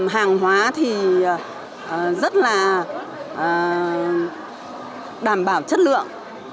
hàng hóa thì rất là đảm bảo chất lượng